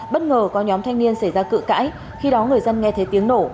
bất ngờ có nhóm thanh niên xảy ra cự cãi khi đó người dân nghe thấy tiếng nổ